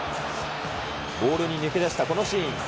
ボールに抜け出したこのシーン。